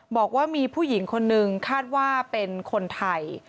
บอกว่ามีผู้หญิงคนนึงคาดว่าเป็นคนไทย